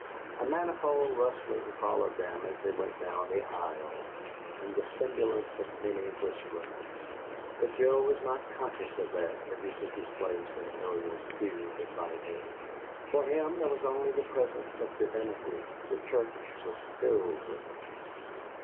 A manifold rustling followed them as they went down the aisle, and the sibilance of many whisperings; but Joe was not conscious of that, as he took his place in Ariel's pew beside her. For him there was only the presence of divinity; the church was filled with it.